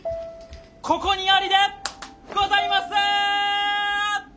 ここにありでございます！